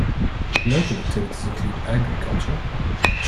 Local activities include agriculture.